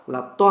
là toàn bộ